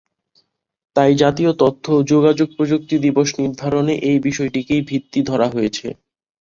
তাই জাতীয় তথ্য ও যোগাযোগপ্রযুক্তি দিবস নির্ধারণে এ বিষয়টিকেই ভিত্তি ধরা হয়েছে।